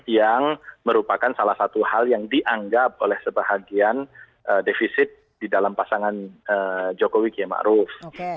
yang merupakan salah satu hal yang dianggap oleh sebahagian defisit di dalam pasangan jokowi kiemakruf